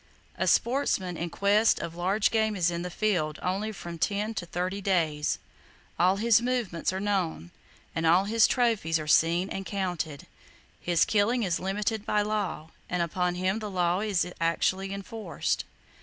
A sportsman in quest of large game is in the field only from ten to thirty [Page 70] days; all his movements are known, and all his trophies are seen and counted. His killing is limited by law, and upon him the law is actually enforced.